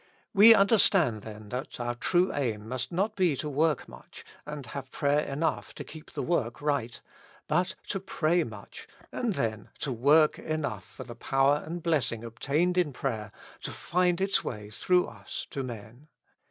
We understand then that our true aim must not be to work much, and have prayer enough to keep the work right, but to pray much and then to work enough for the power and blessing obtained in prayer to find its way through us to men.